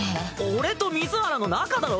俺と水原の仲だろ？